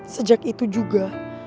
sejak itu juga